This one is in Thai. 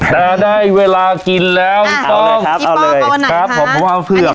แต่ได้เวลากินแล้วเอาเลยครับเอาเลยครับผมเพราะว่าเพื่อ